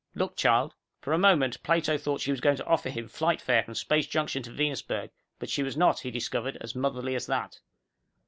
Look, child." For a moment Plato thought she was going to offer him flight fare from Space Junction to Venusberg, but she was not, he discovered, as motherly as that.